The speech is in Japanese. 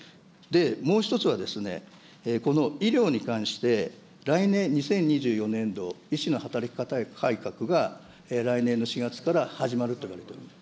もう一つは、この医療に関して来年・２０２４年度、医師の働き方改革が来年の４月から始まるといわれております。